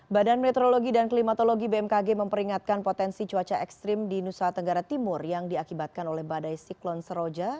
badan meteorologi dan klimatologi bmkg memperingatkan potensi cuaca ekstrim di nusa tenggara timur yang diakibatkan oleh badai siklon seroja